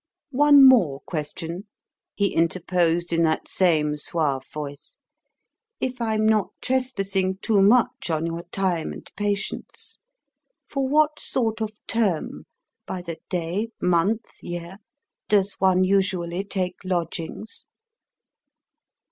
"One more question," he interposed in that same suave voice, "if I'm not trespassing too much on your time and patience. For what sort of term by the day, month, year does one usually take lodgings?"